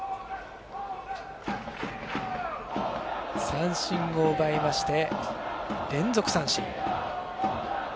三振を奪いまして連続三振。